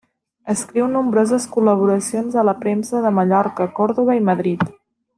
Escriu nombroses col·laboracions a la premsa de Mallorca, Còrdova i Madrid.